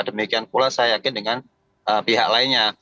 demikian pula saya yakin dengan pihak lainnya